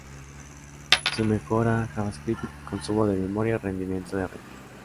Se mejora javascript, consumo de memoria y rendimiento de red.